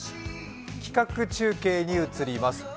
企画中継に移ります。